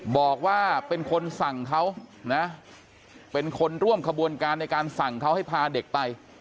บอกว่าเป็นคนสั่งเขานะเป็นคนร่วมขบวนการในการสั่งเขาให้พาเด็กไป